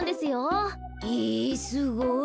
へえすごい。